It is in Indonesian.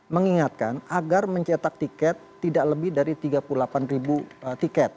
mengingatkan agar mencetak tiket tidak lebih dari tiga puluh delapan ribu tiket